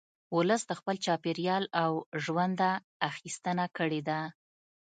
ولس د خپل چاپېریال او ژونده اخیستنه کړې ده